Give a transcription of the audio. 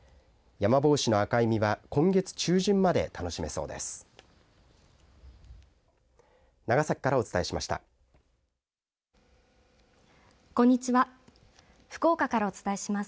ヤマボウシの赤い実は今月中旬まで楽しめそうです。